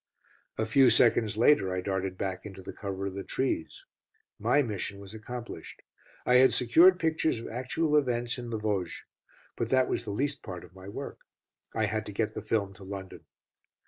A few seconds later I darted back into the cover of the trees. My mission was accomplished. I had secured pictures of actual events in the Vosges. But that was the least part of my work. I had to get the film to London.